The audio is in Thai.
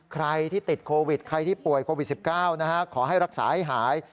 ใครที่ติดโควิดใครที่ป่วยโควิด๑๙ขอให้รักษาให้หาย